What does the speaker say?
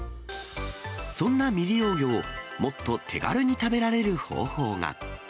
そんな未利用魚を、もっと手軽に食べられる方法が。